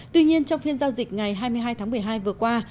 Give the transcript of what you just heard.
tuy nhiên trong phiên giao dịch ngày hai mươi hai tháng một mươi hai vừa qua